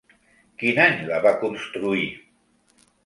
Quin any la va construir?